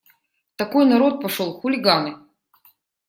Такой народ пошел… хулиганы.